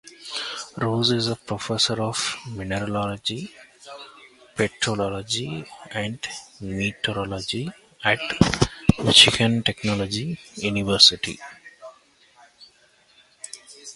Rose is a professor of mineralogy, petrology and meteorology at Michigan Technological University.